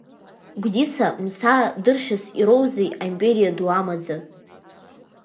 Гәдиса мсаа дыршьас ироузеи аимпериа ду амаӡа?